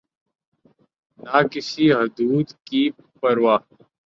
نہ کسی حدود کی پروا۔